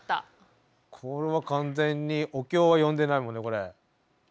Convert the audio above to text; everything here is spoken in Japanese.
これは完全にお経は読んでないもんねこれ。